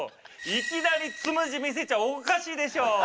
いきなりつむじ見せちゃおかしいでしょ。